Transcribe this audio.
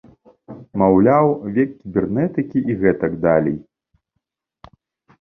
Маўляў, век кібернетыкі і гэтак далей.